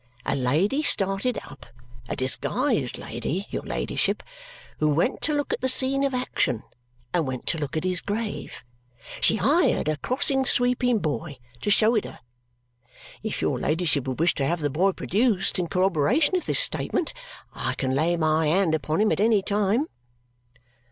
A lady started up, a disguised lady, your ladyship, who went to look at the scene of action and went to look at his grave. She hired a crossing sweeping boy to show it her. If your ladyship would wish to have the boy produced in corroboration of this statement, I can lay my hand upon him at any time."